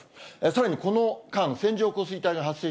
さらにこの間、線状降水帯が発生